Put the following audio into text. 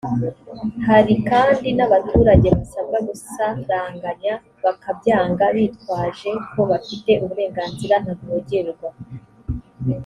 hari kandi n abaturage basabwa gusaranganya bakabyanga bitwaje ko bafite uburenganzira ntavogerwa